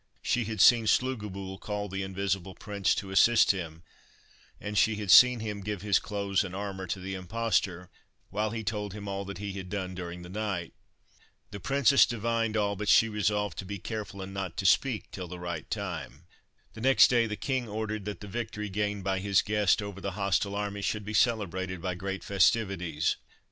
She had seen Slugobyl call the Invisible Prince to assist him, and she had seen him give his clothes and armour to the impostor, while he told him all that he had done during the night. The princess divined all, but she resolved to be careful, and not to speak till the right time. The next day the king ordered that the victory gained by his guest over the hostile army should be celebrated by great festivities.